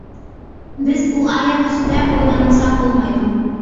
بىز ئۇ ئايەت ئۈستىدە ئويلانمىساق بولمايدۇ.